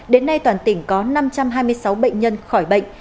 đến nay toàn tỉnh có năm trăm hai mươi sáu bệnh nhân khỏi bệnh